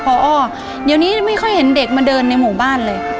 พอเดี๋ยวนี้ไม่ค่อยเห็นเด็กมาเดินในหมู่บ้านเลย